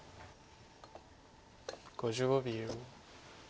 ５５秒。